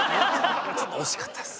ちょっと惜しかったっす。